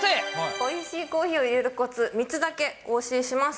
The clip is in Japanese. おいしいコーヒーをいれるこつ、３つだけお教えします。